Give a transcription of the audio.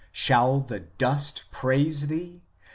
Shall the dust praise Thee